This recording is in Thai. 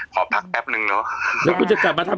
พอพักแปปนึงเนอะ